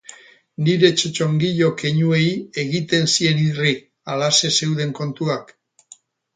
Nire txotxongilo-keinuei egiten zien irri, halaxe zeuden kontuak.